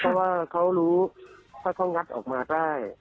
เพราะว่าเขารู้ถ้าเขางัดออกมาได้